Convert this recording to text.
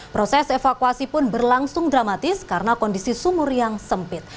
proses evakuasi pun berlangsung dramatis karena kondisi sumur yang sempit